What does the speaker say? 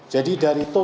jadi dari itu